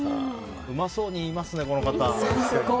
うまそうに言いますね、この方。